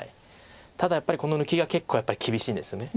ただやっぱりこの抜きが結構厳しいんですよね。